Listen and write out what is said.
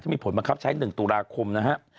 มีผลบังคับใช้๑ตุลาคมนะครับ